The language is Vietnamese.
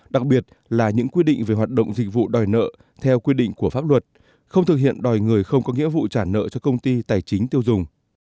đặc biệt là những quy định về hoạt động dịch vụ đòi nợ theo quy định của pháp luật không thực hiện đòi người không có nghĩa vụ trả nợ cho công ty tài chính tiêu dùng